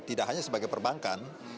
tidak hanya sebagai perbankan